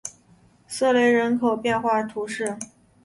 瑟雷人口变化图示